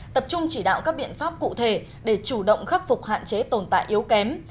tập trung chỉ đạo các biện pháp cụ thể để chủ động khắc phục hạn chế tồn tại yếu kém